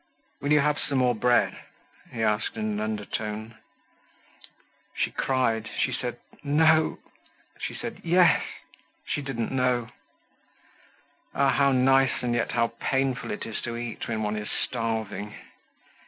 "Will you have some more bread?" he asked in an undertone. She cried, she said "no," she said "yes," she didn't know. Ah! how nice and yet how painful it is to eat when one is starving.